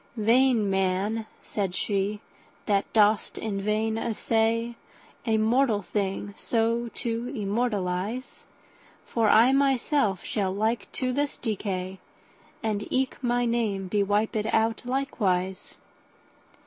Vain man (said she) that dost in vain assayA mortal thing so to immortalise; For I myself shall like to this decay, And eke my name be wipèd out likewise.